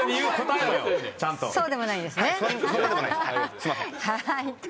すいません。